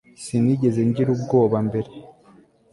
Sinigeze ngira ubwoba mbere